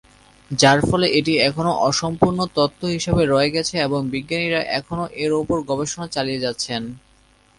যার ফলে এটি এখনও অসম্পূর্ণ তত্ব হিসেবে রয়ে গেছে এবং বিজ্ঞানীরা এখনও এর উপর গবেষণা চালিয়ে যাচ্ছেন।